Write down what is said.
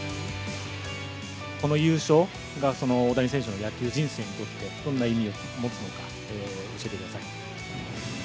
この優勝が大谷選手の野球人生にとって、どんな意味を持つのか、教えてください。